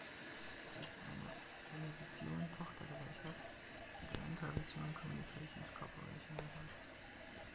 Es ist eine Univision-Tochtergesellschaft, die der Entravision Communications Corporation gehört.